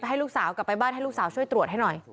ให้ลูกสาวกลับไปบ้านให้ลูกสาวช่วยตรวจให้หน่อย